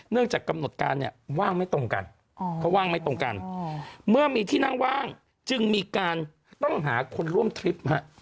เนื่องจากกำหนดการว่างไม่ตรงกันเว้ามีที่นั่งว่างจึงมีการหาคนร่วมทริป